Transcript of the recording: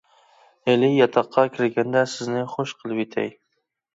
ھېلى ياتاققا كىرگەندە سىزنى خۇش قىلىۋېتەي.